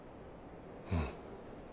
うん。